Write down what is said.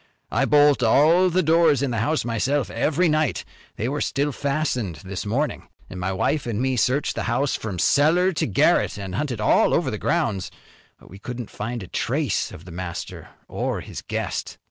I bolt all the doors in the house myself every night. They were still fastened this morning. My wife an' me searched the house from cellar to garret an' hunted all over the grounds. We couldn't find a trace of the master or his guest."